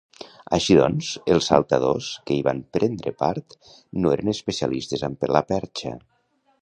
Així doncs, els saltadors que hi van prendre part no eren especialistes amb la perxa.